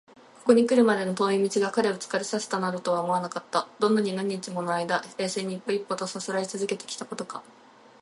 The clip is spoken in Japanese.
ここにくるまでの遠い道が彼を疲れさせたなどとは思われなかった。どんなに何日ものあいだ、冷静に一歩一歩とさすらいつづけてきたことか！